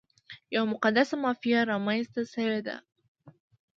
یوه مقدسه مافیا رامنځته شوې ده.